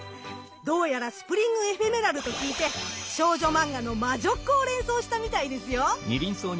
どうやらスプリング・エフェメラルと聞いて少女マンガの魔女っ子を連想したみたいですよ！